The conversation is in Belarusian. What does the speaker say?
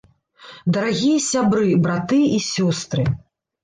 Дарагія сябры, браты і сёстры!